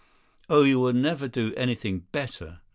Oh, you will never do anything better.